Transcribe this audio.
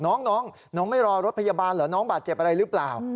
น้องน้องไม่รอรถพยาบาลเหรอน้องบาดเจ็บอะไรหรือเปล่า